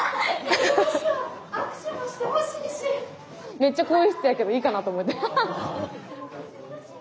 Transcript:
めっちゃ更衣室やけどいいかなと思って。